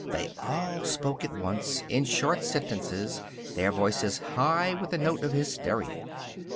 They all spoke at once, in short sentences, their voices high with the note of hysteria.